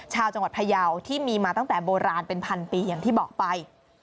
ชาวจังหวัดพยาวที่มีมาตั้งแต่โบราณเป็นพันปีอย่างที่บอกไป